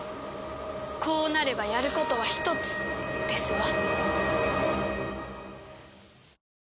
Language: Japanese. こうなればやることは一つですわ。